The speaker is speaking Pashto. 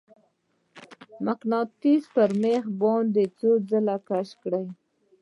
مقناطیس په میخ باندې څو ځلې کش کړئ.